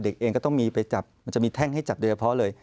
เองก็ต้องมีไปจับมันจะมีแท่งให้จับโดยเฉพาะเลย